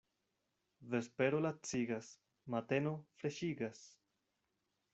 Vespero lacigas, mateno freŝigas.